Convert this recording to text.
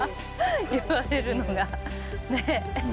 言われるのが、ね。